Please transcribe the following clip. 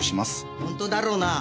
本当だろうな！